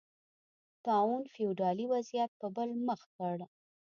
طاعون فیوډالي وضعیت په بل مخ کړ.